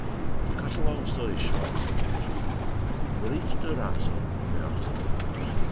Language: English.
"To cut a long story short," said Lexman, "we reached Durazzo in the afternoon.